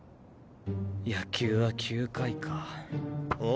野球は９回か。は？